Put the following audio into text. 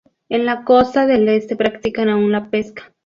En la costa del este practican aun la pesca.